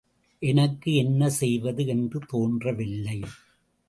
எனக்கு என்ன செய்வது என்று தோன்றவில்லை.